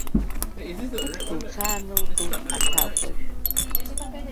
Ԥыҭк лҽаанылкылт аҭакәажә.